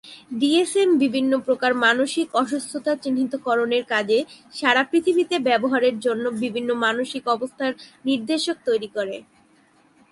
DSM বিভিন্ন প্রকার মানসিক অসুস্থতা চিহ্নিতকরণের কাজে সারা পৃথিবীতে ব্যবহারের জন্য বিভিন্ন মানসিক অবস্থার নির্দেশক তৈরি করে।